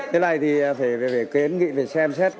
thế này thì phải kiến nghị phải xem xét